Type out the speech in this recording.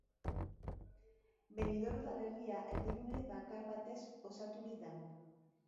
Benidorm udalerria erdigune bakar batez osaturik dago.